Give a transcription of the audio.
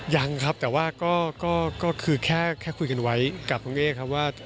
ยังครับแต่ว่าก็คือแค่คุยกันไว้กับคุณเอ๊ครับว่า